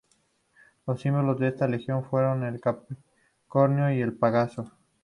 Los símbolos de esta legión fueron el capricornio y el pegaso.